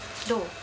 どう？